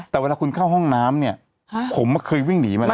แต่เวลาคุณเข้าห้องน้ำเนี่ยผมเคยวิ่งหนีมาแล้ว